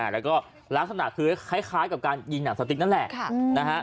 แล้วก็ลักษณะคือคล้ายกับการยิงหนังสติ๊กนั่นแหละ